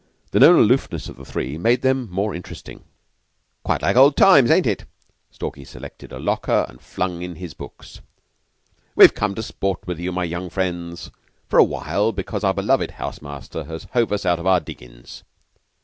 The known aloofness of the three made them more interesting. "Quite like old times, ain't it?" Stalky selected a locker and flung in his books. "We've come to sport with you, my young friends, for a while, because our beloved house master has hove us out of our diggin's."